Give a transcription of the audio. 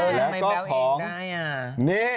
ทำไมแบ๊วเองได้อ่ะ